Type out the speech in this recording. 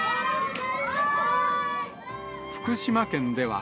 福島県では、